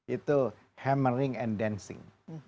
itu hammering and dancing